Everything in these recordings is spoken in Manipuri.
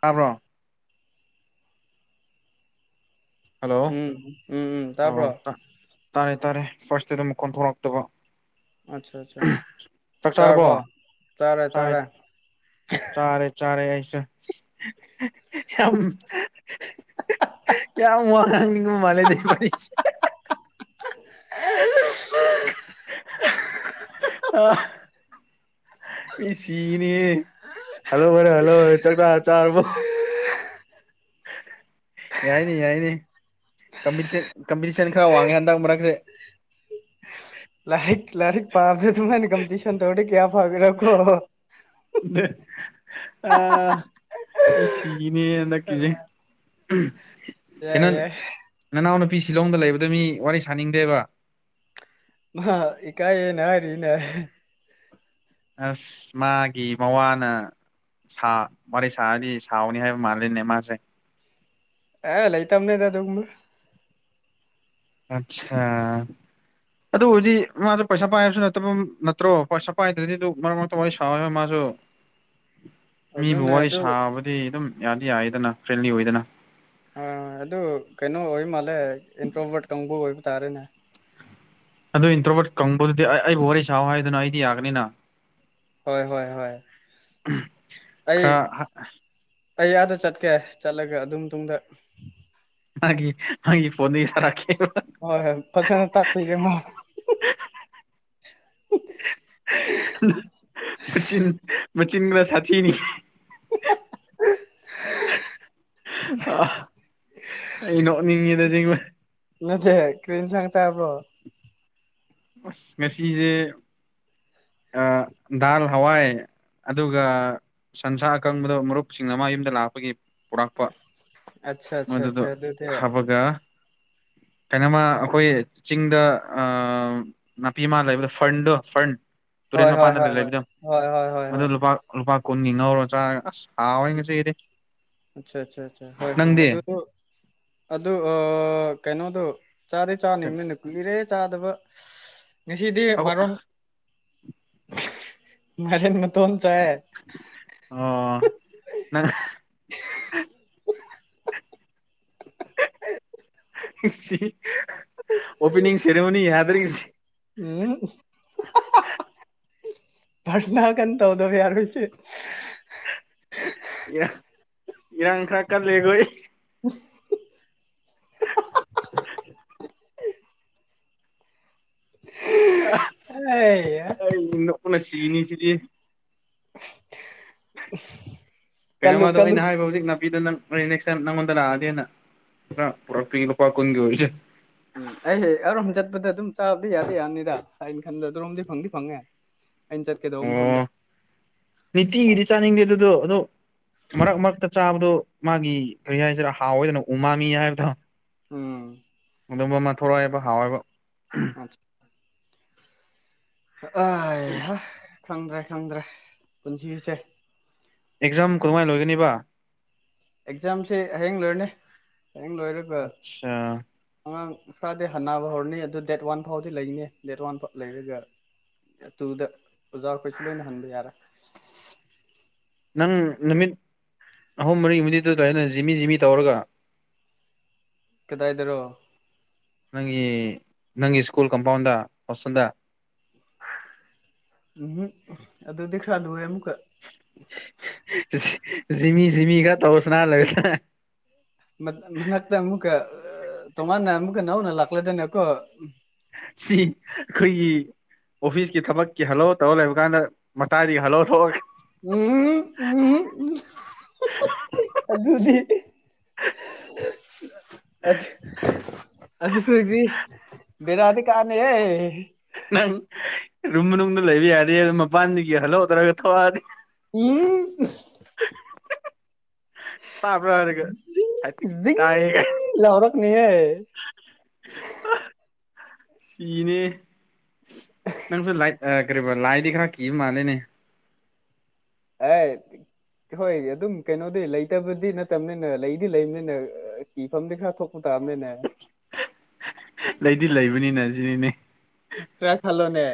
ꯇꯥꯕ꯭ꯔꯣ ꯎꯝ ꯍꯜꯂꯣ ꯎꯝ ꯎꯝ ꯎꯝ ꯇꯥꯄ ꯍꯥꯏꯇꯥꯔꯦ ꯐꯥꯔꯁꯇꯤꯝ ꯀꯣꯟꯊꯣꯔꯛꯇꯕ ꯑꯠꯆꯥ ꯑꯠꯆꯥ ꯆꯥꯛ ꯆꯥꯔꯕꯣ ꯆꯥꯔꯔꯕ ꯆꯥꯔꯦ ꯆꯥꯔꯦ ꯆꯔꯦ ꯆꯔꯦ ꯑꯁ ꯀ ꯃꯔꯥꯡ ꯃꯥꯦ ꯅ ꯄꯁ ꯑ ꯃꯤ ꯁꯤꯅꯤ ꯍꯜꯂꯣ ꯃꯔꯔꯦ ꯍꯜꯂꯣ ꯍꯔꯦ ꯆꯆꯥ ꯆꯔꯔꯕꯣ [unintelligible] ꯌꯥꯏꯅꯤ ꯌꯥꯏꯅꯤ ꯀꯝꯄꯤꯇꯤꯁꯟ ꯈꯔ ꯋꯥꯡꯉꯦ ꯍꯟꯗꯛ ꯃꯔꯛꯁꯦ ꯂꯔꯛ ꯂꯔꯤꯛ ꯄꯥꯕ ꯑꯗꯨꯍꯥꯏꯅ ꯀꯝꯄꯤꯇꯤꯁꯟ ꯇꯧꯔꯦ ꯀꯌꯥ ꯐꯥꯎꯕꯤꯔꯣꯈꯣ ꯑꯥ ꯃꯤ ꯁꯤꯅꯦꯀꯤꯖꯦ ꯑꯦꯏ ꯌꯥꯏ ꯅꯨꯄꯤ ꯁꯤꯂꯣꯡꯗ ꯂꯩꯕꯗ ꯃꯤ ꯋꯥꯔꯤ ꯁꯥꯅꯤꯡꯗꯦꯕ ꯃꯥ ꯏꯀꯥꯏ ꯅꯔꯤꯔꯤꯅꯦ ꯑꯁ ꯃꯥꯒꯤ ꯃꯋꯥꯅ ꯁꯥ ꯋꯥꯔꯤ ꯁꯥꯔꯗꯤ ꯁꯥꯎꯅꯤ ꯍꯥꯏꯕ ꯃꯥꯜꯂꯤꯅꯦ ꯃꯥꯁꯦ ꯑꯦ ꯂꯩ ꯇꯝꯃꯦ ꯇꯥꯗꯨ ꯃꯥ ꯑꯆꯥ ꯑꯗꯨꯕꯨꯔꯗꯤ ꯃꯥꯁꯨ ꯄꯩꯁꯥ ꯄꯥꯏꯕꯁꯨ ꯅꯠꯇꯕ ꯅꯠꯇ꯭ꯔꯣ ꯄꯩꯁꯥ ꯄꯥꯏꯗ꯭ꯔꯗꯤ ꯑꯗꯨ ꯃꯔꯛ ꯃꯔꯛꯇ ꯋꯥꯔꯤ ꯁꯥꯎꯋ ꯃꯥꯁꯨ [unintelligible] ꯃꯤꯕꯨ ꯑꯗꯨꯅꯦ ꯋꯥꯔꯤ ꯑꯗꯨ ꯁꯥꯕꯗꯤ ꯑꯗꯨꯝ ꯌꯥꯗꯤ ꯌꯥꯏꯗꯅ ꯐ꯭ꯔꯦꯟꯂꯤ ꯑꯣꯏꯗꯅ ꯑꯣꯏ ꯑꯗꯨ ꯀꯩꯅꯣ ꯑꯣꯏ ꯃꯥꯜꯂꯦ ꯏꯟꯇ꯭ꯔꯣꯕꯣꯠ ꯀꯥꯡꯕꯨ ꯑꯣꯏꯕ ꯇꯥꯔꯦꯅꯦ ꯑꯗꯨ ꯏꯟꯇ꯭ꯔꯣꯕꯣꯠ ꯀꯪꯕꯗꯨꯗꯤ ꯑꯩꯕꯨ ꯋꯥꯔꯤ ꯁꯥꯎ ꯍꯥꯏꯗꯨꯅ ꯑꯩꯗꯤ ꯌꯥꯒꯅꯤꯅ ꯍꯣꯏ ꯍꯣꯏ ꯍꯣꯏ ꯑꯩ ꯈꯔ ꯑꯩ ꯑꯥꯗ ꯆꯠꯀꯦ ꯆꯠꯂꯒ ꯑꯗꯨꯝ ꯃꯇꯨꯡꯗ ꯍꯥꯏꯒꯤ ꯍꯒꯤ ꯐꯣꯟ ꯁꯔꯦ ꯍꯣꯏ ꯍꯣꯏ ꯐꯖꯅ ꯇꯥꯛꯄꯤꯒꯦꯃ [unintelligible] ꯃꯆꯤꯟ ꯃꯆꯤꯟ ꯈꯔ ꯁꯥꯊꯤꯅꯤ [unintelligible] ꯑ ꯑ ꯅꯣꯛꯅꯤꯡꯉꯤꯗ ꯆꯕ ꯅꯠꯇꯦ ꯀ꯭ꯔꯤꯟ ꯁꯥꯡ ꯇꯥꯕ꯭ꯔꯣ ꯑꯁ ꯃꯦꯁꯤꯖꯦ [unintelligible] ꯗꯔ ꯍꯋꯥꯥꯏ ꯑꯗꯨꯒ ꯁꯟꯁꯥ ꯑꯀꯪꯕꯗ ꯃꯔꯨꯞꯁꯤꯡꯅ ꯃꯥ ꯌꯨꯝꯗ ꯂꯥꯛꯄꯒꯤ ꯄꯨꯔꯛꯄ ꯑꯠꯆꯥ ꯑꯠꯆꯥ ꯃꯗꯨ ꯑꯗꯨ ꯑꯠꯆꯥ ꯑꯗꯨꯗꯤ ꯍꯥꯕꯒ [unintelligible] ꯀꯩꯅꯣꯃ ꯑꯩꯈꯣꯏ ꯆꯤꯡꯗ ꯅꯥꯄꯤꯃ ꯂꯩꯕꯗ ꯐꯔꯟꯗꯣ ꯐꯔꯟ ꯇꯨꯔꯦꯟ ꯍꯣꯏ ꯍꯣꯏ ꯄꯥꯟꯗꯔ ꯍꯣꯏ ꯂꯩ ꯍꯣꯏ ꯍꯣꯏ ꯍꯣꯏ ꯍꯣꯏ ꯃ ꯍꯣꯏ ꯂꯨꯄꯥ ꯂꯨꯄꯥ ꯀꯨꯟꯒꯤ ꯉꯧꯔꯣ ꯆꯥꯔ ꯑꯁ ꯍꯥꯎꯑꯦ ꯉꯁꯤꯗꯤ ꯑꯆꯥ ꯑꯆꯥꯆꯥ ꯑꯆꯥ ꯍꯣꯏ ꯍꯣꯏ ꯑꯗꯨ ꯑꯗꯨ ꯀꯩꯅꯣꯗꯣ ꯆꯥꯗꯦ ꯆꯥꯅꯤꯡꯅꯤꯅ ꯀꯨꯏꯔꯦ ꯆꯥꯗꯕ ꯉꯁꯤꯗꯤ ꯑꯣ ꯃꯔꯣꯟ [unintelligible] ꯑꯣ ꯅꯪ ꯁꯤ ꯑꯣꯄꯥꯅꯤꯡ ꯁꯦꯔꯃꯣꯅꯤ ꯌꯥꯗ꯭ꯔ ꯁꯤ ꯎꯝ ꯄꯊꯔꯅꯥ ꯀꯟꯅ ꯇꯧꯗꯕ ꯌꯥꯔꯣꯏꯁꯦ ꯏꯔꯥꯡ ꯏꯔꯥꯡ ꯈꯔ ꯀꯜꯂꯦꯈꯣꯏ ꯑꯥ ꯑꯦ ꯊꯨꯅ ꯁꯤꯅꯥ ꯁꯤꯗꯤ ꯀꯜꯂꯨ ꯀꯩꯅꯣꯃꯗꯣ ꯀꯜꯂꯨ ꯑꯩꯅ ꯍꯥꯏꯕ ꯍꯧꯖꯤꯛ ꯅꯥꯄꯤꯗ ꯅꯪ ꯅꯦꯛꯁ ꯇꯥꯏꯃ ꯅꯪꯉꯣꯟꯗ ꯂꯥꯛꯑꯗꯤꯅ ꯄꯨꯔꯛꯄꯤꯒꯦ ꯂꯨꯄꯥ ꯀꯨꯟꯒꯤ ꯑꯣꯏꯔꯁꯨꯅ ꯑꯩ ꯑꯔꯣꯝ ꯆꯠꯄꯗ ꯑꯗꯨꯝ ꯆꯥꯕꯗꯤ ꯌꯥꯗꯤ ꯌꯥꯅꯤꯗ ꯍꯥꯏ ꯈꯟꯕ ꯑꯗꯨꯔꯣꯝꯗꯤ ꯐꯪꯗꯤ ꯐꯪꯉꯦ ꯑꯩꯅ ꯆꯠꯀꯗꯧꯕ ꯃꯐꯝꯗꯣ ꯑꯣ ꯅꯤꯡꯇꯤꯒꯤꯗꯤ ꯆꯥꯅꯤꯡꯗꯦ ꯑꯗꯨꯗꯣ ꯑꯗꯣ ꯃꯔꯛ ꯃꯔꯛꯇ ꯆꯥꯕꯗꯣ ꯃꯥꯒꯤ ꯀꯔꯤ ꯍꯥꯏꯁꯤꯔꯥ ꯍꯥꯎꯑꯣꯏꯗꯅ ꯎ ꯃꯥꯝꯃꯤ ꯍꯥꯏꯕꯗ ꯎꯝ ꯑꯗꯨꯝꯕ ꯑꯃ ꯊꯣꯛꯔꯛꯏꯕ ꯍꯥꯎꯋꯏꯕ ꯑ [unintelligible] ꯑꯍꯥ ꯈꯪꯗ꯭ꯔꯦ ꯈꯪꯗ꯭ꯔꯦ ꯄꯨꯟꯁꯤꯁꯦ ꯑꯦꯛꯖꯥꯝ ꯀꯃꯍꯥꯏꯅ ꯂꯣꯏꯒꯅꯤꯕ ꯑꯦꯛꯖꯥꯝꯁꯦ ꯍꯌꯦꯡ ꯂꯣꯏꯔꯅꯤ ꯍꯌꯦꯡ ꯂꯣꯏꯔꯒ ꯑꯠꯆꯥ ꯑꯉꯥꯡ ꯈꯔꯗꯤ ꯍꯟꯅꯕ ꯍꯧꯔꯅꯤ ꯑꯗꯨ ꯗꯦꯠ ꯋꯥꯟ ꯐꯥꯎꯗꯤ ꯂꯩꯅꯤ ꯗꯦꯠ ꯋꯥꯟ ꯐꯥꯎ ꯂꯩꯔꯒ ꯑꯗꯨꯨꯗ ꯑꯣꯖꯥ ꯑꯩꯈꯣꯏꯁꯨ ꯂꯣꯏꯅ ꯍꯟꯕ ꯌꯥꯔꯦ ꯅꯪ ꯅꯨꯃꯤꯠ ꯑꯍꯨꯝ ꯃꯔꯤ ꯅꯨꯅꯤ ꯑꯗꯨ ꯑꯗꯨꯥꯏꯅ ꯖꯤꯃꯤ ꯖꯤꯃꯤ ꯇꯧꯔꯒ ꯀꯗꯥꯥꯏꯗꯔꯣ ꯅꯪ ꯅꯪꯒꯤ ꯁ꯭ꯀꯨꯜ ꯀꯝꯄꯥꯎꯟꯗ ꯍꯣꯁꯇꯦꯜꯗ ꯎꯝ ꯑꯗꯨꯗꯤ ꯈꯔꯂꯨ ꯖꯤꯃꯤ ꯖꯤꯃꯤꯒ ꯇꯧ ꯁꯅ ꯂꯩ ꯃꯠꯀ ꯑꯃꯨꯛ ꯇꯣꯉꯥꯟꯅ ꯑꯃꯨꯛꯀ ꯅꯧꯅ ꯂꯥꯛꯂꯒꯅꯀꯣ ꯁꯤ ꯑꯩꯈꯣꯏꯒꯤ ꯑꯣꯐꯤꯁꯀꯤ ꯊꯕꯛꯀꯤ ꯍꯜꯂꯣ ꯇꯧꯔ ꯂꯩꯕ ꯀꯥꯟꯗ ꯃꯇꯥꯏꯗꯒꯤ ꯍꯜꯂꯣ ꯊꯣꯛꯑꯒ ꯎꯝ ꯎꯝ ꯎꯝ ꯑꯗꯨꯗꯤ ꯑꯗꯨꯗꯤ ꯕꯤꯔꯥꯗꯤ ꯀꯥꯅꯤꯍꯦ ꯅꯪ ꯔꯨꯝ ꯃꯅꯨꯡꯗ ꯂꯩꯕ ꯌꯥꯗꯦ ꯑꯗꯨ ꯃꯄꯥꯟꯗꯒꯤ ꯍꯜꯂꯦ ꯇꯧꯔꯒ ꯊꯣꯛꯑꯗꯤ ꯎꯝ ꯇꯥꯕꯔꯥ ꯍꯥꯏꯔ ꯖꯤꯡ ꯂꯧꯔꯛꯅꯤꯍꯦ ꯁꯤꯅꯦ ꯅꯪꯁꯨ ꯂꯥꯏꯠ ꯑꯦ ꯀꯔꯤꯕ ꯂꯥꯏꯗꯤ ꯈꯔ ꯀꯤꯕ ꯃꯥꯂꯦꯅꯦ ꯑ ꯍꯣꯏ ꯑꯗꯨꯝ ꯀꯩꯅꯣꯗꯤ ꯂꯩꯇꯕꯗꯤ ꯅꯠꯇꯕꯅꯤꯅ ꯂꯩꯗꯤ ꯂꯩꯕꯅꯤꯅ ꯀꯤꯐꯝꯗꯤ ꯈꯔ ꯊꯣꯛ ꯇꯥ ꯅꯤꯅꯦ ꯅꯤꯅꯦ ꯖꯤꯅꯤꯅꯦ ꯀ꯭ꯔꯥ ꯈꯂꯣꯅꯦ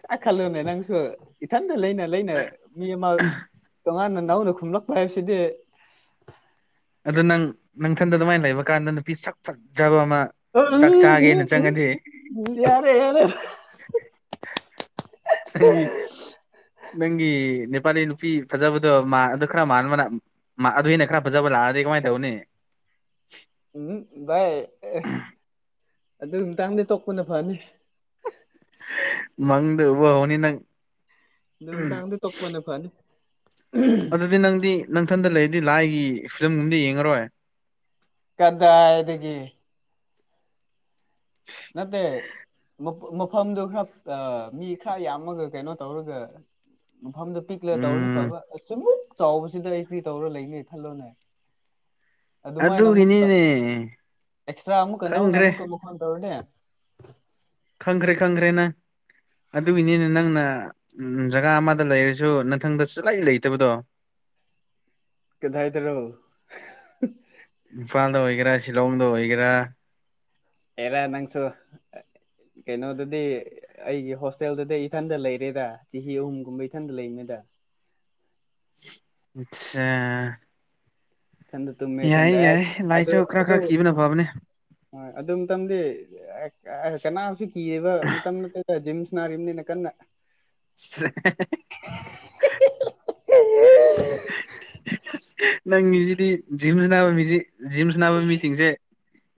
ꯀꯔꯥ ꯈꯂꯣꯅꯦ ꯅꯪꯁꯨ ꯏꯊꯟ ꯂꯩꯅ ꯂꯩꯅ ꯃꯤ ꯑꯃ ꯇꯣꯉꯥꯟꯅ ꯅꯧꯅ ꯈꯨꯝꯂꯛꯄ ꯍꯥꯏꯕꯁꯤꯗꯤ ꯑꯗꯨ ꯅꯪ ꯅꯪꯊꯟꯗ ꯑꯗꯨꯃꯥꯏꯅ ꯂꯩꯕ ꯀꯥꯟꯗ ꯅꯨꯄꯤ ꯁꯛ ꯐꯠꯖꯕ ꯎꯝ ꯎ ꯎ ꯌꯥꯔꯦ ꯌꯥꯔꯦ ꯅꯪ ꯅꯪꯒꯤ ꯅꯦ ꯅꯨ ꯅꯨꯄꯤ ꯐꯖꯕꯗꯣ ꯑꯗꯨ ꯈꯔ ꯃꯅ ꯑꯗꯨ ꯑꯩꯅ ꯈꯔ ꯐꯖꯕ ꯂꯥꯛꯑꯒ ꯃꯥꯏ ꯇꯧꯅꯦ ꯎꯝ ꯚꯥꯏ ꯑꯦ ꯑꯗꯨ ꯇꯥꯡꯗꯤ ꯇꯣꯛꯄꯅ ꯐꯅꯤ ꯃꯪꯗꯕ ꯍꯅꯤ ꯅꯪ ꯑꯗꯨꯝ ꯀꯥꯏꯗꯤ ꯇꯞꯄꯅꯦ ꯐꯅꯤ ꯑꯗꯨꯗꯤ ꯅꯪꯗꯤ ꯅꯪꯊꯟꯗ ꯂꯩꯔꯗꯤ ꯂꯥꯏꯒꯤ ꯐꯤꯂꯝꯒꯨꯝꯗꯤ ꯌꯦꯡꯉꯔꯣꯏ ꯀꯗ ꯑꯦꯗꯤꯗꯒꯤ ꯅꯠꯇꯦ ꯃꯐꯝꯗꯨꯣ ꯈꯔ ꯃꯤ ꯈꯔ ꯌꯥꯝꯃꯒ ꯀꯩꯅꯣ ꯇꯧꯔꯒ ꯃꯐꯝꯗꯣ ꯄꯤꯛꯂ ꯇꯧꯔꯗꯤ ꯎꯝ ꯐꯕ ꯑꯁꯛ ꯆꯥꯎꯕꯁꯤꯗ ꯑꯩꯈꯨꯔꯤ ꯇꯧꯔ ꯂꯩꯅꯤ ꯊꯜꯂꯣꯅꯦ ꯑꯗꯨꯃꯥꯏꯅ ꯑꯃꯨꯛꯀ ꯑꯗꯨꯒꯤꯅꯤꯅꯦ ꯑꯦꯛꯁꯇ꯭ꯔꯥ ꯑꯃꯨꯛꯀ ꯅꯧꯅ ꯈꯪꯈ꯭ꯔꯦ ꯑꯃꯨꯛꯀ ꯃꯈ ꯑꯣꯔꯅꯦ ꯈꯪꯈ꯭ꯔꯦ ꯈꯪꯈ꯭ꯔꯦꯅ ꯑꯗꯨꯒꯤꯅꯤꯅꯦ ꯅꯪꯅ ꯖꯒꯥ ꯑꯃꯗ ꯂꯩꯔꯁꯨ ꯅꯊꯪꯗ ꯁꯂꯥꯏꯔꯤ ꯂꯩꯇꯕꯗꯣ ꯀꯗꯥ ꯗꯥꯔꯣ ꯏꯝꯐꯥꯜꯗ ꯑꯣꯏꯒꯦꯔꯥ ꯁꯤꯂꯣꯡꯗ ꯑꯣꯏꯒꯦꯔꯥ ꯑꯦꯂ ꯅꯪꯁꯨ ꯀꯩꯅꯣꯗꯗꯤ ꯑꯩꯒꯤ ꯍꯣꯁꯇꯦꯜꯗꯗꯤ ꯏꯊꯟꯇ ꯂꯩꯔꯦꯗ ꯆꯍꯤ ꯑꯍꯨꯝꯒꯨꯝꯕ ꯏꯊꯟꯇ ꯂꯩꯅꯤꯗ [unintelligible] ꯑꯆꯥ ꯆꯟ ꯊꯨꯝꯃꯦ ꯆꯗ ꯑꯦꯁ ꯑꯗꯨ ꯂꯥꯏꯁꯨ ꯈꯔ ꯑꯗꯨ ꯈꯔ ꯀꯤꯕꯅ ꯐꯕꯅꯦ ꯍꯣꯏ ꯑꯗꯨ ꯃꯇꯝꯗꯤ ꯀꯅꯥꯁꯨ ꯀꯤꯑꯕ ꯃꯇꯝ ꯅꯠꯇꯗ ꯖꯤꯝꯁ ꯅꯤꯅ ꯀꯟꯅ [unintelligible] ꯅꯪꯒꯤꯁꯤꯗꯤ ꯖꯤꯝꯁ ꯅꯥꯕ ꯃꯤꯁꯤ ꯖꯤꯝꯁ ꯅꯥꯕ ꯃꯤꯁꯤꯡꯁꯦ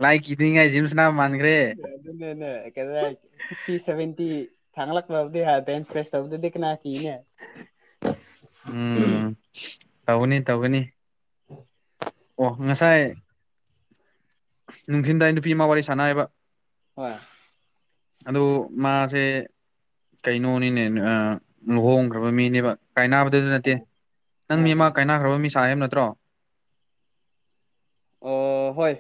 ꯂꯥꯏ ꯀꯗꯤꯅꯤꯡꯉꯦ ꯖꯤꯝꯁꯅ ꯃꯥꯡꯦ ꯀ꯭ꯔ ꯁꯤꯛꯁꯇꯤ ꯁꯚꯦꯟꯇꯤ ꯊꯥꯡꯂꯛꯄꯕꯨꯗꯤ ꯍꯥꯏꯦ ꯏꯟ ꯐ꯭ꯔꯦꯁ ꯇꯧꯗꯨꯗꯤ ꯀꯅꯥ ꯀꯅꯦ ꯎꯝ ꯇꯧꯒꯅꯤ ꯇꯧꯒꯅꯤ ꯎꯝ ꯅꯨꯡꯊꯤꯟꯗꯥꯏ ꯅꯨꯄꯤ ꯑꯃ ꯋꯥꯔꯤ ꯁꯥꯟꯅꯕ ꯍ ꯑꯗꯨ ꯃꯥꯁꯦ ꯀꯩꯅꯣꯅꯤꯅꯦ ꯂꯨꯍꯣꯡꯈ꯭ꯔꯕ ꯃꯤꯅꯦꯕ ꯀꯥꯏꯅꯕꯗꯨꯗꯨ ꯅꯠꯇꯦ ꯅꯪ ꯍꯣꯏ ꯃꯤ ꯑꯃ ꯍꯣꯏ ꯀꯥꯏꯅꯈ꯭ꯔꯕ ꯃꯤꯁ ꯍꯥꯏꯕ ꯅꯠꯇ꯭ꯔꯣ ꯑꯣ ꯍꯣꯏ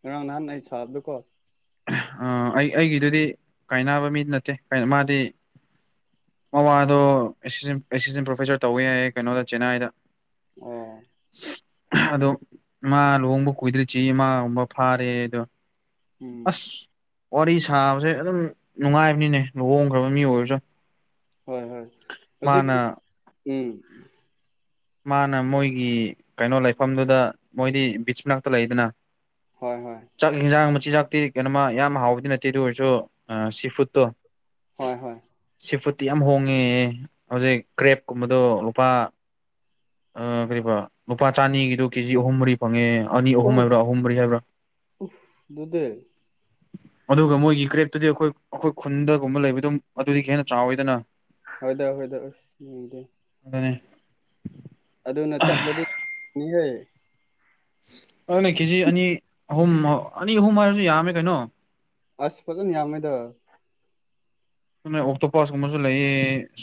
ꯉꯔꯥꯡ ꯅꯍꯥꯟ ꯑꯩ ꯁꯥꯕꯗꯀꯣ ꯑ ꯑꯩ ꯑꯩꯒꯤꯗꯨꯗꯤ ꯀꯥꯏꯅꯕ ꯃꯤ ꯅꯠꯇꯦ ꯃꯥꯗꯤ ꯃꯃꯥꯗꯣꯁꯤꯁ ꯑꯦꯁꯤꯁꯇꯦꯟ ꯄ꯭ꯔꯣꯐꯦꯁꯔ ꯇꯧꯕꯋ ꯌꯥꯏꯌꯦ ꯀꯩꯅꯣꯗ ꯆꯦꯟꯅꯥꯏꯗ ꯑ ꯑꯗꯣ ꯃꯥꯥ ꯂꯨꯍꯣꯡꯕ ꯀꯨꯏꯗ꯭ꯔꯤ ꯆ ꯏꯃꯥꯒꯨꯝꯕ ꯐꯥꯔꯦ ꯑꯗꯣ ꯎꯝ ꯑꯁ ꯋꯥꯔꯤ ꯁꯥꯕꯁꯦ ꯑꯗꯨꯝ ꯅꯨꯡꯉꯥꯏꯕꯅꯤꯅꯦ ꯂꯨꯍꯣꯡꯈ꯭ꯔꯕ ꯃꯤ ꯑꯣꯏꯔꯁꯨ ꯍꯣꯏ ꯍꯣꯏ ꯃꯥꯅ ꯍꯧꯖꯤꯛꯇꯤ ꯎꯝ ꯃꯥꯅ ꯃꯣꯏꯒꯤ ꯀꯩꯅꯣ ꯂꯩꯐꯝꯗꯨꯗ ꯃꯣꯏꯗꯤ ꯕꯤꯆ ꯃꯅꯥꯛꯇ ꯂꯩꯗꯅ ꯍꯣꯏ ꯍꯣꯏ ꯆꯠꯀꯖꯥꯡ ꯆꯤꯟꯖꯥꯛꯇꯤ ꯀꯩꯅꯣꯃ ꯌꯥꯝ ꯍꯥꯎꯕꯗꯤ ꯅꯠꯇꯦ ꯑꯗꯨ ꯑꯣꯏꯔꯁꯨ ꯁꯤ ꯐꯨꯗꯠꯇꯣ ꯍꯣꯏ ꯍꯣꯏ ꯆꯤꯐꯨꯠꯇꯤ ꯌꯥꯝ ꯍꯣꯡꯉꯦ ꯍꯧꯖꯤꯛ ꯀ꯭ꯔꯦꯞꯀꯨꯝꯕꯗꯣ ꯂꯨꯄꯥ ꯑ ꯀꯔꯤꯕ ꯂꯨꯄꯥ ꯆꯅꯤꯒꯤꯗꯣ ꯀꯦꯖꯤ ꯑꯍꯨꯝ ꯃꯔꯤ ꯐꯪꯉꯦ ꯑꯅꯤ ꯑꯣ ꯑꯍꯨꯝ ꯍꯥꯏꯕ꯭ꯔꯥ ꯑꯍꯨꯝ ꯃꯔꯤ ꯍꯥꯏꯕ꯭ꯔꯥ ꯑꯗꯨꯗꯤ ꯑꯗꯨꯒ ꯃꯣꯏꯒꯤ ꯀ꯭ꯔꯦꯞꯇꯨꯗꯤ ꯑꯩꯈꯣꯏ ꯑꯩꯈꯣꯏ ꯈꯨꯟꯗꯒꯨꯝꯕ ꯂꯩꯕꯗꯨꯝ ꯑꯗꯨꯗꯤ ꯍꯦꯟꯅ ꯆꯥꯎꯋꯤꯗꯅ ꯍꯣꯏꯗ ꯍꯣꯏꯗ ꯎꯗꯤ ꯅꯦ ꯑꯗꯨꯅ ꯆꯞꯂꯗꯤꯅꯤꯍꯦ ꯑꯗꯨꯅꯦ ꯀꯦꯖꯤ ꯑꯅꯤ ꯑꯍꯨꯝ ꯑꯅꯤ ꯑꯍꯨꯝ ꯍꯥꯏꯔꯁꯨ ꯌꯥꯝꯝꯃꯦ ꯀꯩꯅꯣ ꯑꯁ ꯄꯖꯅꯤ ꯌꯥꯝꯗ ꯅ ꯑꯣꯛꯇꯣꯄꯁ ꯀꯨꯝꯕꯁꯨ ꯂꯩꯌꯦ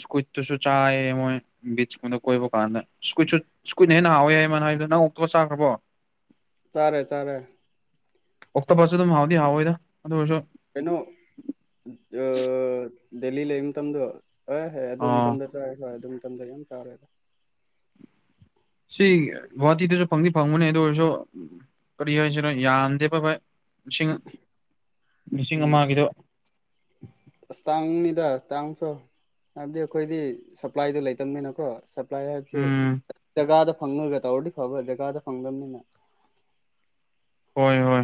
ꯁꯀꯨꯠꯇꯨꯁꯨ ꯆꯥꯏ ꯃꯣꯏ ꯕꯤꯠꯆꯀꯨꯝꯕꯗ ꯀꯣꯏꯕ ꯀꯥꯟꯗ ꯁ꯭ꯀꯨꯏꯁꯨ ꯁ꯭ꯀꯨꯠꯅ ꯍꯦ ꯍꯥꯎꯋꯦ ꯍꯥꯏ ꯃ ꯍꯥꯏꯗ ꯅꯪꯨꯛꯇꯒ ꯆꯥꯈ꯭ꯔꯕꯣ ꯇꯥꯔꯦ ꯇꯥꯔꯦ ꯑꯣꯛꯇꯣꯕꯔꯁꯨ ꯑꯗꯨꯝ ꯍꯥꯎꯗꯤ ꯍꯥꯎꯑꯣꯗ ꯑꯗꯨ ꯑꯣꯏꯔꯁꯨ ꯀꯩꯅꯣ ꯗꯦꯜꯂꯤ ꯂꯩ ꯃꯇꯝꯗ ꯍꯣꯏ ꯍꯣꯏ ꯑ ꯑꯗꯨꯝꯇꯗ ꯆꯥꯛꯔꯦ ꯍꯣꯏ ꯑꯗꯨꯝ ꯃꯇꯝꯗ ꯌꯥꯝ ꯇꯥꯎꯔꯦꯗ ꯁꯤ ꯒꯨꯍꯥꯇꯤꯗꯁꯨ ꯐꯪꯗꯤ ꯐꯪꯕꯅꯦ ꯑꯗꯨ ꯑꯣꯏꯔꯁꯨ ꯀꯔꯤ ꯍꯥꯏꯁꯤꯅꯣ ꯌꯥꯝꯗꯦꯕꯚꯚꯥꯏ ꯂꯤꯁꯤꯡ ꯂꯤꯁꯤꯡ ꯎꯝ ꯑꯃꯒꯤꯗ ꯑꯁ ꯇꯥꯡꯅꯤꯗ ꯇꯥꯡꯁꯨꯣ ꯍꯥꯏꯕꯗꯤ ꯑꯩꯈꯣꯏꯗꯤ ꯁꯄ꯭ꯂꯥꯏꯗ ꯂꯩꯇꯕꯅꯤꯅꯀꯣ ꯁꯄ꯭ꯂꯥꯏ ꯍꯥꯏ ꯎꯝ ꯇꯒ ꯐꯪꯉꯒ ꯇꯧꯔꯗꯤ ꯐꯕ ꯂꯩꯖꯀꯥꯗ ꯐꯪꯗꯕꯅꯤꯅ ꯍꯣꯏ ꯍꯣꯏ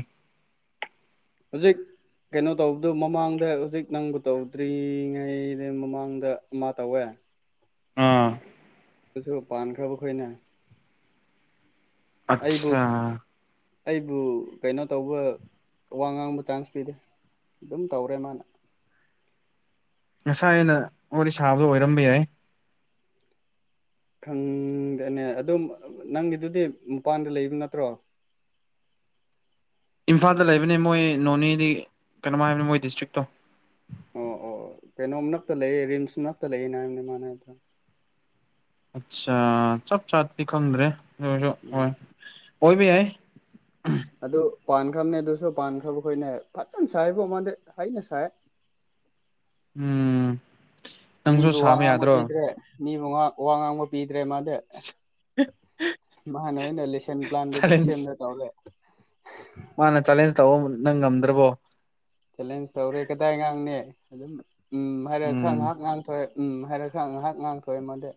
ꯍꯧꯖꯤꯛ ꯀꯩꯅꯣ ꯇꯧꯕꯗꯨ ꯃꯃꯥꯡꯗ ꯍꯧꯖꯤꯛ ꯅꯪꯕꯨ ꯇꯧꯗ꯭ꯔꯤꯉꯩꯗ ꯃꯃꯥꯡꯗ ꯑꯃ ꯇꯧꯋꯦ [inaudible] [inaudible] ꯑꯥ ꯁꯨ ꯄꯥꯟ ꯈꯕ ꯈꯥꯏꯅ ꯑꯆꯥ ꯑꯩꯕꯨ ꯀꯩꯅꯣ ꯇꯧꯕ ꯋꯥ ꯉꯥꯡꯕ ꯆꯥꯟꯁ ꯄꯤꯗꯦ ꯑꯗꯨꯝ ꯇꯧꯔꯦ ꯃꯥꯅ ꯉꯁꯥꯏ ꯑꯩꯅ ꯋꯥꯔꯤ ꯁꯥꯕꯗꯣ ꯑꯣꯏꯔꯝꯕ ꯌꯥꯏ ꯈꯪꯗꯦꯅꯦ ꯑꯗꯨ ꯅꯪꯒꯤꯗꯨꯗꯤ ꯃꯄꯥꯟꯗ ꯂꯩꯕ ꯅꯠꯇ꯭ꯔꯣ ꯏꯝꯐꯥꯜꯗ ꯂꯩꯕꯅꯦ ꯃꯣꯏ ꯅꯣꯅꯦꯗꯤ ꯀꯩꯅꯣ ꯍꯥꯏꯕꯅꯦ ꯃꯣꯏ ꯗꯤꯁꯇ꯭ꯔꯤꯛꯇꯣ ꯑꯣ ꯑꯣ ꯀꯩꯅꯣꯝ ꯅꯛꯇ ꯂꯩꯌꯦ ꯔꯤꯝꯁ ꯅꯛꯇ ꯂꯩ ꯅ ꯍꯥꯏꯅꯦꯃꯥꯟꯅꯗ꯭ꯔ ꯑꯆꯥꯥ ꯆꯞ ꯆꯥꯗꯤ ꯈꯪꯗ꯭ꯔꯦꯁꯨ ꯎꯝ ꯍꯣꯏ ꯑꯣꯏꯣꯏꯃꯤ ꯌꯥꯏ ꯑꯗꯨ ꯄꯥꯟꯈ꯭ꯔꯕꯅꯦ ꯑꯗꯨꯁꯨ ꯄꯥꯟꯈ꯭ꯔꯕ ꯑꯩꯈꯣꯏꯅ ꯐꯖꯅ ꯁꯥꯏꯕꯨ ꯃꯥꯟꯗ ꯍꯩꯅ ꯁꯥꯏ [inaudible] ꯎꯝ ꯅꯪꯁꯨ ꯃꯤꯕꯨ ꯋꯥ ꯁꯥꯕ ꯉꯥꯡꯕ ꯌꯥꯗ꯭ꯔꯣ ꯄꯤꯗ꯭ꯔꯦ ꯃꯤꯕꯨ ꯋꯥ ꯉꯥꯡꯕ ꯄꯤꯗꯦ ꯗ꯭ꯔꯦ ꯃꯥꯗꯤ ꯃꯥꯅ ꯑꯣꯏꯅ ꯂꯦꯁꯟ ꯄ꯭ꯂꯥꯟꯗ ꯑꯗꯨꯝ ꯆꯦꯂꯦꯟꯖ ꯁꯦꯝꯅ ꯇꯧꯔꯦ ꯃꯥꯅ ꯆꯦꯂꯦꯟꯖ ꯇꯧꯕ ꯅꯪ ꯉꯝꯗ꯭ꯔꯕꯣ ꯆꯦꯂꯦꯟꯖ ꯇꯧꯔꯦ ꯀꯗꯥꯏ ꯉꯥꯡꯅꯤ ꯑꯗꯨꯝ ꯎꯝ ꯍꯥꯏꯔ ꯈꯔ ꯎꯝ ꯉꯥꯏꯍꯥꯛ ꯉꯥꯡꯊꯣꯛꯑꯦ ꯎꯝ ꯍꯥꯏꯔ ꯈ ꯉꯥꯏꯍꯥꯛ ꯉꯥꯡꯇꯣꯛꯋꯦ ꯃꯗ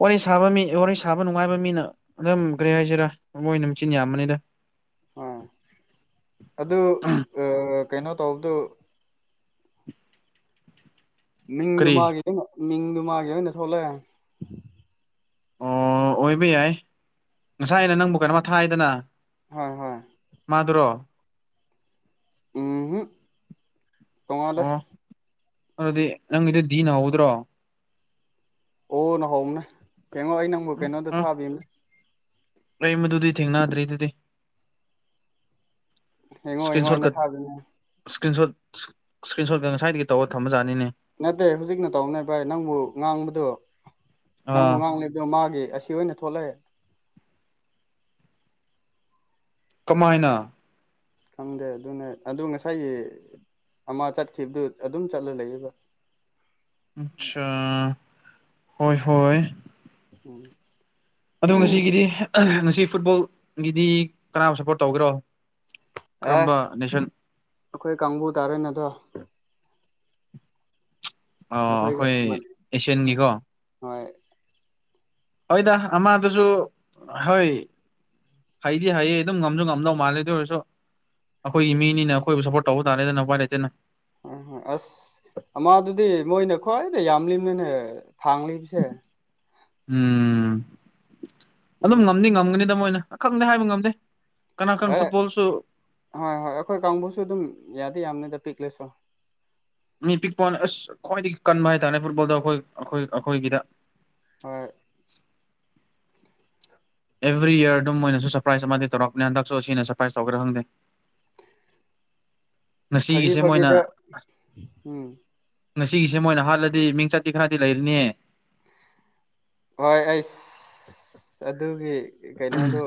ꯋꯥꯔꯤ ꯁꯥꯕ ꯃꯤ ꯋꯥꯔꯤ ꯁꯥꯕ ꯅꯨꯡꯉꯥꯏꯕ ꯃꯤꯅ ꯑꯗꯨꯝ ꯀꯔꯤ ꯍꯥꯏꯁꯤꯔꯥ ꯃꯣꯏꯅ ꯃꯆꯤꯟ ꯌꯥꯝꯕꯅꯤꯗ ꯑꯥ ꯑꯗꯨ ꯀꯩꯅꯣ ꯇꯧꯕꯗꯨ ꯃꯤꯡꯗꯨ ꯀꯔꯤ ꯃꯥꯒꯤ ꯃꯤꯡꯗꯨ ꯃꯥꯒꯤ ꯑꯣꯏꯅ ꯊꯣꯛꯣꯂꯑꯦ ꯑꯣ ꯑꯣꯏꯕ ꯌꯥꯏ ꯉꯁꯥꯏ ꯑꯩꯅ ꯅꯪꯕꯨ ꯀꯩꯅꯣꯝꯃ ꯊꯥꯏꯗꯅ ꯍꯣꯏ ꯍꯣꯏ ꯃꯥꯗꯨꯔꯣ ꯎꯝ ꯑꯣ ꯇꯣꯉꯗꯦ ꯑꯗꯨꯗꯤ ꯅꯪꯒꯤꯗꯤ ꯗꯤ ꯅ ꯍꯧꯗ꯭ꯔꯣ ꯑꯣ ꯅꯍꯣꯡꯅꯦ ꯐꯦꯡꯉꯣ ꯑꯩ ꯅꯪꯕꯨ ꯎꯝ ꯀꯩꯅꯣꯗ ꯎꯝ ꯊꯥꯕꯤꯅꯦ ꯑꯩ ꯃꯗꯨꯗꯤ ꯊꯦꯡꯅꯗ꯭ꯔꯤ ꯑꯗꯨꯗꯤ ꯌꯦꯡꯉꯣ ꯏꯁꯀ꯭ꯔꯤꯟ ꯌꯦꯡꯉꯣ ꯑꯩꯅ ꯁꯣꯠꯀ ꯊꯥꯕꯅꯦ ꯏꯁꯀ꯭ꯔꯤꯟ ꯁꯣꯠ ꯏꯁꯀ꯭ꯔꯤꯟ ꯁꯣꯠꯀ ꯉꯁꯥꯏꯗꯒꯤ ꯇꯧꯔꯒ ꯊꯝꯕꯖꯥꯠꯅꯤꯅꯦ ꯅꯠꯇꯦ ꯍꯧꯖꯤꯛꯅ ꯇꯧꯅꯦ ꯚꯥꯏ ꯅꯪꯕꯨ ꯉꯥꯡꯕꯗꯣ ꯅꯪꯕꯨ ꯑꯥ ꯉꯥꯡꯂꯤꯗꯣ ꯃꯥꯒꯤ ꯁꯤ ꯑꯣꯏꯅ ꯊꯣꯛꯂꯛꯑꯦ ꯀꯃꯥꯏꯅ ꯈꯪꯗꯦ ꯑꯗꯨꯅꯦ ꯑꯗꯨ ꯉꯁꯥꯏꯒꯤ ꯑꯃ ꯆꯠꯈꯤꯕꯗꯨ ꯑꯗꯨꯝ ꯆꯠꯂ ꯂꯩꯌꯦꯕ ꯑꯆꯥ ꯍꯣꯏ ꯍꯣꯏ ꯎꯝ ꯑꯗꯣ ꯉꯁꯤꯒꯤꯗꯤ ꯉꯁꯤ ꯐꯨꯠꯕꯣꯜꯒꯤꯗꯤ ꯀꯅꯥ ꯁꯞꯄꯣꯔꯠ ꯇꯧꯒꯦꯔꯣ ꯑꯦ ꯀꯔꯝꯕ ꯅꯦꯁꯟ ꯑꯩꯈꯣꯏ ꯀꯥꯡꯕꯨ ꯇꯥꯔꯦꯅꯦꯗꯣ ꯑꯣ ꯑꯩꯈꯣꯏꯒ ꯑꯩꯈꯣꯏ ꯃꯥꯟꯅꯩ ꯍꯣꯏ ꯑꯦꯁꯤꯌꯥꯟꯒꯤꯀꯣ ꯍꯣꯏ ꯍꯣꯏꯗ ꯑꯃꯗꯨꯁꯨ ꯍꯣꯏ ꯍꯩꯗꯤ ꯍꯩꯌꯦ ꯑꯗꯨꯝ ꯉꯝꯁꯨ ꯉꯝꯗꯧ ꯃꯥꯜꯂꯦ ꯑꯗꯨ ꯑꯣꯏꯔꯁꯨ ꯑꯩꯈꯣꯏꯒꯤ ꯃꯤꯅꯤꯅ ꯑꯩꯈꯣꯏꯕꯨ ꯁꯞꯄꯣꯔꯠ ꯇꯧꯕ ꯇꯥꯔꯦꯗꯅ ꯎꯄꯥꯏ ꯂꯩꯇꯦꯅ ꯎꯝ ꯑꯁ ꯑꯃꯗꯨꯗꯤ ꯃꯣꯏꯅ ꯈ꯭ꯋꯥꯏꯅ ꯌꯥꯝꯂꯤꯅꯤꯅꯦ ꯊꯥꯡꯂꯤꯕꯤꯁꯦ ꯎꯝ ꯑꯗꯨꯝ ꯎꯝ ꯉꯝꯗꯤ ꯉꯝꯒꯅꯤꯗ ꯃꯣꯏꯅ ꯈꯪꯗꯦ ꯍꯥꯏꯕ ꯉꯝꯗꯦ ꯀꯅꯥ ꯀꯅꯥ ꯍꯣꯏ ꯐꯨꯠꯕꯣꯜꯁꯨ ꯍꯣꯏ ꯍꯣꯏ ꯑꯩꯈꯣꯏ ꯀꯥꯡꯕꯨꯁꯨ ꯑꯗꯨꯝ ꯌꯥꯗꯤ ꯌꯥꯕꯅꯤꯗ ꯄꯤꯛ ꯂꯁꯨ ꯃꯤ ꯄꯤꯛꯄ ꯑꯣꯏꯅ ꯑꯁ ꯈ꯭ꯋꯥꯏꯗꯒꯤ ꯀꯟꯕ ꯍꯥꯏꯇꯥꯔꯦ ꯐꯨꯠꯕꯣꯜꯗ ꯑꯩꯈꯣꯏ ꯑꯩꯈꯣꯏ ꯑꯩꯈꯣꯏꯒꯤꯗ ꯍꯣꯏ ꯑꯦꯚ꯭ꯔꯤ ꯏꯔ ꯑꯗꯨꯝ ꯃꯣꯏꯅꯁꯨ ꯁꯔꯄ꯭ꯔꯥꯏꯁ ꯑꯃꯗꯤ ꯇꯧꯔꯛꯅꯦ ꯍꯟꯗꯛꯁꯨ ꯑꯁꯤꯅ ꯁꯔꯄ꯭ꯔꯥꯏꯁ ꯇꯧꯒꯗꯔ ꯈꯪꯗꯦ ꯐꯥꯒꯤ ꯉꯁꯤꯒꯤꯁꯦ ꯃꯣꯏꯅ ꯐꯥꯒꯤꯗ ꯎꯝ ꯉꯁꯤꯒꯤꯁꯦ ꯃꯣꯏꯅ ꯍꯥꯜꯂꯗꯤ ꯃꯤꯡꯆꯠꯇꯤ ꯈꯔꯗꯤ ꯂꯩꯔꯅꯤꯍꯦ ꯍꯣꯏ ꯑꯩꯁ ꯑꯗꯨꯒꯤ ꯀꯩꯅꯣꯗꯨ